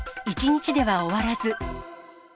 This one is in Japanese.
一日では終わらず。